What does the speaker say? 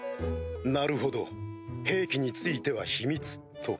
なるほど兵器については秘密と。